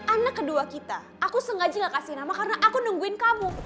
anak kedua kita aku sengaja gak kasih nama karena aku nungguin kamu